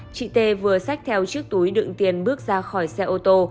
chị t vừa xách theo chiếc túi đựng tiền bước ra khỏi xe ô tô